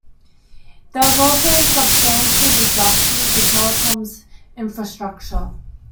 There was also substantial disruption to telecoms infrastructure.